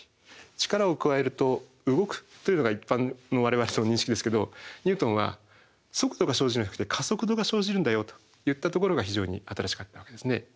力を加えると動くというのが一般の我々の認識ですけどニュートンは速度が生じなくて加速度が生じるんだよといったところが非常に新しかったわけですね。